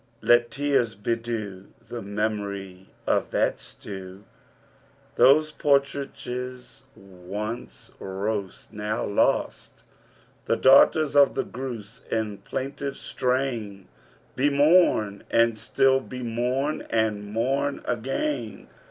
Let tears bedew The memory of that stew, Those partridges, once roast, Now lost! The daughters of the grouse in plaintive strain Bemourn, and still bemourn, and mourn again!